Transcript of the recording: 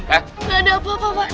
nggak ada apa apa pak d